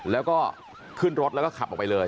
แล้วก็ขึ้นรถแล้วก็ขับออกไปเลย